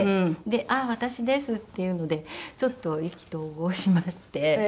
で「ああ私です」っていうのでちょっと意気投合しまして。